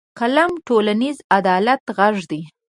قلم د ټولنیز عدالت غږ دی